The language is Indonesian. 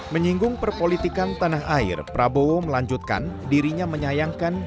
menyinggung perpolitikan tanah air prabowo melanjutkan dirinya menyayangkan